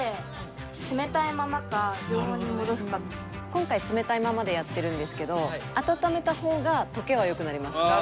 今回冷たいままでやってるんですけど温めた方が溶けはよくなります。